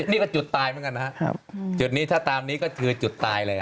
นี่ก็จุดตายเหมือนกันนะครับจุดนี้ถ้าตามนี้ก็คือจุดตายเลย